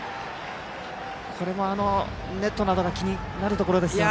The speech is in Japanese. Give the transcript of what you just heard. これもネットなどが気になるところですよね。